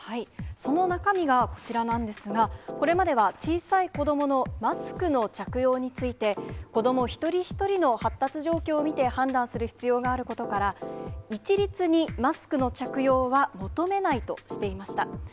その中身がこちらなんですが、これまでは小さい子どものマスクの着用について、子ども一人一人の発達状況を見て、判断する必要があることから、一律にマスクの着用は求めないとしていました。